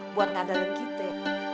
buat ngadalin kita